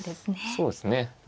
そうですね。